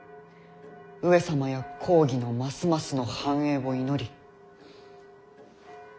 上様や公儀のますますの繁栄を祈り。